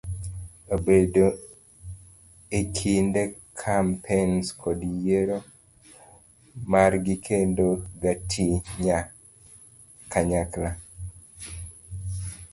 Obedo ekinde kampens kod yiero margi kendo gitii kanyakla.